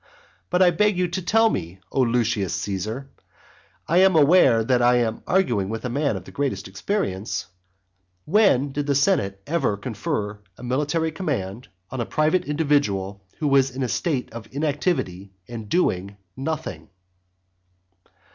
But I beg you to tell me, O Lucius Caesar, I am aware that I am arguing with a man of the greatest experience, when did the senate ever confer a military command on a private individual who was in a state of inactivity, and doing nothing?